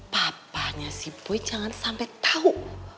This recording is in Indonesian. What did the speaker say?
papanya si pui jangan sampai tahu